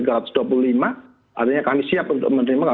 artinya kami siap untuk menerima